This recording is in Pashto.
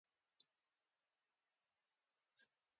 او پۀ املا کښې ئې دَپښتو دَمخصوصو تورو